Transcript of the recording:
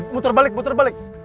muter balik muter balik